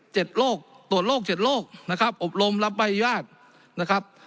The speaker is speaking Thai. เจ็ดโลกตรวจโลกเจ็ดโลกนะครับอบรมรับใบญาตินะครับ